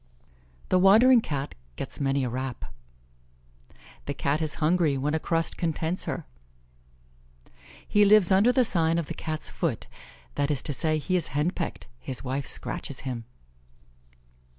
"The wandering Cat gets many a rap." "The Cat is hungry when a crust contents her." "He lives under the sign of the Cat's foot;" that is to say, he is hen pecked his wife scratches him.